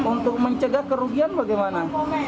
untuk mencegah kerugian bagaimana